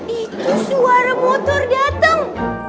itu suara motor dateng